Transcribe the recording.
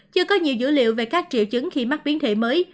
chưa có nhiều dữ liệu về các triệu chứng khi mắc biến thể mới